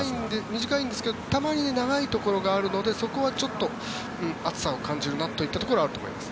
短いんですけどたまに長いところがあるのでそこはちょっと暑さを感じるなといったところはあると思います。